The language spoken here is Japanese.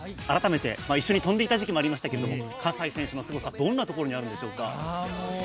改めて、一緒に飛んでいた時期もありますが、葛西選手のすごさどんなところにあるんでしょうか？